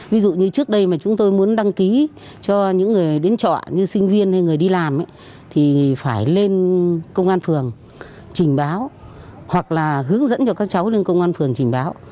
ví dụ như trước đây mà chúng tôi muốn đăng ký cho những người đến trọ như sinh viên hay người đi làm thì phải lên công an phường trình báo hoặc là hướng dẫn cho các cháu lên công an phường trình báo